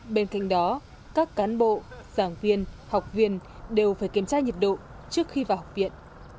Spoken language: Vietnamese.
bên cạnh đó các cán bộ giảng viên học viên đều phải kiểm tra nhiệt độ trước khi vào học viện